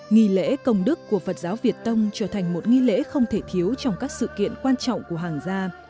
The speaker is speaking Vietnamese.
nghị lễ công đức của phật giáo việt tông trở thành một nghị lễ không thể thiếu trong các sự kiện quan trọng của hàng gia